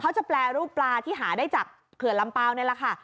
เขาจะแปรรูปลาที่สามารถหาได้จากเผื่อลำเปล่าเนี่ยล่ะค่ะ